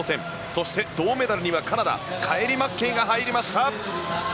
そして、銅メダルにはカナダマッケイが入りました。